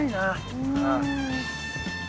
うん。